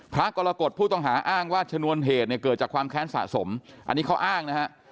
พระกรกฎผู้ต้องหาอ้างว่าชนวนเหตุเนี่ยเกิดจากความแค้นสะสมอันนี้เขาอ้างนะฮะ